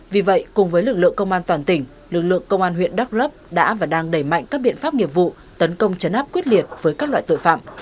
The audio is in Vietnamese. vì vậy cùng với lực lượng công an toàn tỉnh lực lượng công an huyện đắk lấp đã và đang đẩy mạnh các biện pháp nghiệp vụ tấn công chấn áp quyết liệt với các loại tội phạm